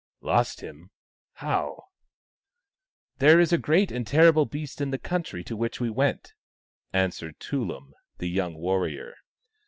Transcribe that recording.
Lost him ! How ?"" There is a great and terrible beast in the country to which we went," answered Tullum, the young warrior.